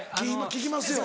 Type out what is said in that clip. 聞きますよ